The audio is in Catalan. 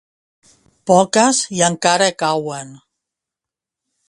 Poques i encara cauen.